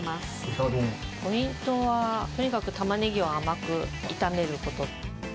ポイントは、とにかくタマネギを甘く炒めること。